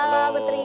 halo bapak menteri